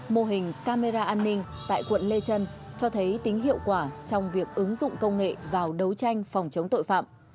mô hình camera an ninh tại quận lê trân cho thấy tính hiệu quả trong việc ứng dụng công nghệ vào đấu tranh phòng chống tội phạm